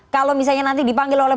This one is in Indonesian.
kalau misalnya nanti dipanggil oleh